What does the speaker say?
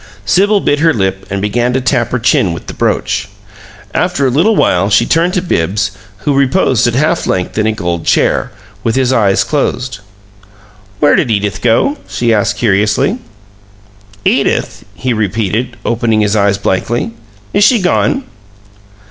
Sibyl bit her lip and began to tap her chin with the brooch. After a little while she turned to Bibbs, who reposed at half length in a gold chair, with his eyes closed. "Where did Edith go?" she asked, curiously. "Edith?" he repeated, opening his eyes blankly. "Is she gone?"